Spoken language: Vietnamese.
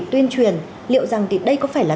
tuyên truyền liệu rằng thì đây có phải là